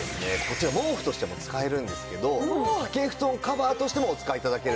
こちら毛布としても使えるんですけど掛け